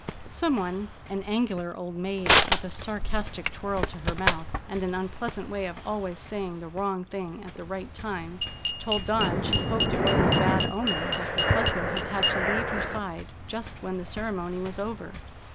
Someone—an angular old maid, with a sarcastic twirl to her mouth and an unpleasant way of always saying the wrong thing at the right time—told Dawn she hoped it wasn't a bad omen that her husband had had to leave her side just when the ceremony was over.